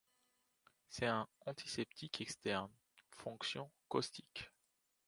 C'est un antiseptique externe, fonction caustique.